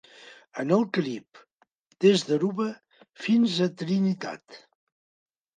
En el Carib des d'Aruba fins a Trinitat.